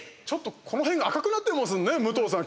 この辺が赤くなってますね武藤さん、